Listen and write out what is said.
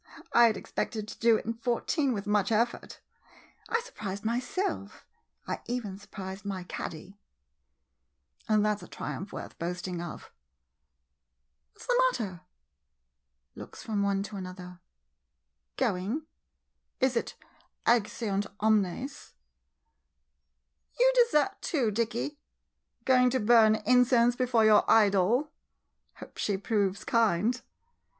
I had ex pected to do it in fourteen with much effort ! I surprised myself — I even surprised my caddy — and that 's a triumph worth boast ing of ! What 's the matter ? [Looks from one to another.] Going? Is it Exeunt omnes? You desert 7 MODERN MONOLOGUES too — Dicky? Going to burn incense before your idol? Hope she proves kind!